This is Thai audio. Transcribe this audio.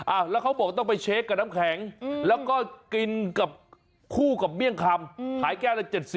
แล้วเขาบอกต้องไปเช็คกับน้ำแข็งแล้วก็กินกับคู่กับเมี่ยงคำขายแก้วละ๗๐